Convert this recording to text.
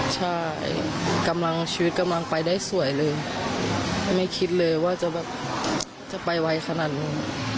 ใช่กำลังชีวิตกำลังไปได้สวยเลยไม่คิดเลยว่าจะแบบจะไปไวขนาดนี้